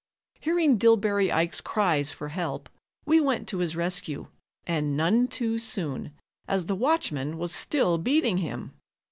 Hearing Dillbery Ike's cries for help, we went to his rescue, and none too soon, as the watchman was still beating him.